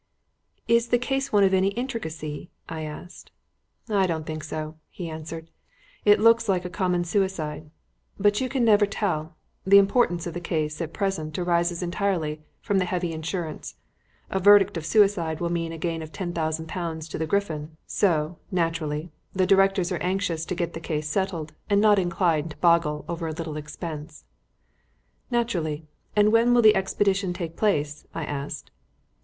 "Is the case one of any intricacy?" I asked. "I don't think so," he answered. "It looks like a common suicide; but you can never tell. The importance of the case at present arises entirely from the heavy insurance; a verdict of suicide will mean a gain of ten thousand pounds to the 'Griffin,' so, naturally, the directors are anxious to get the case settled and not inclined to boggle over a little expense." "Naturally. And when will the expedition take place?" I asked.